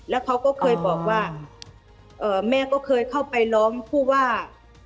แล้วเขาก็เคยบอกว่าแม่ก็เคยเข้าไปร้องผู้ว่า